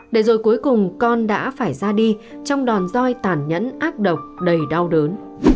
để rồi cuối cùng con đã phải ra đi trong đòn roi tàn nhẫn ác độc đầy đau đớn